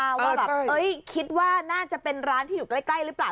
ว่าแบบคิดว่าน่าจะเป็นร้านที่อยู่ใกล้หรือเปล่า